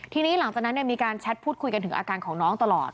ทีนี้หลังจากนั้นมีการแชทพูดคุยกันถึงอาการของน้องตลอด